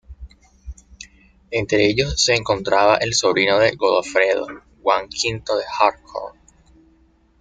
Entre ellos se encontraba el sobrino de Godofredo, Juan V de Harcourt.